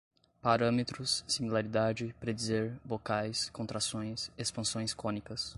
parâmetros, similaridade, predizer, bocais, contrações, expansões cônicas